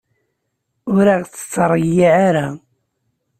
Ur ɣ-tt-ttreyyiɛ ara.